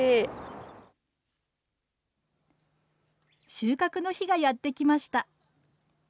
収穫の日がやってきました。